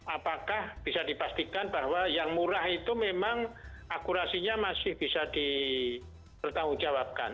apakah bisa dipastikan bahwa yang murah itu memang akurasinya masih bisa dipertanggungjawabkan